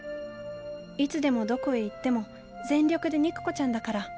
いつでもどこへ行っても全力で肉子ちゃんだから。